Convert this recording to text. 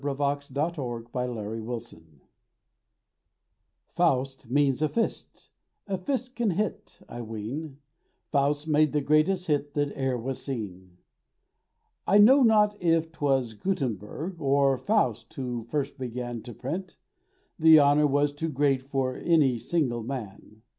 REFLECTIONS IN A PRINTING OFFICE Faust means a fist—a fist can hit, I ween: Faust made the greatest hit that e'er was seen. I know not if 'twas Guttenberg Or Faust who first began To print—the honour was too great For any single man.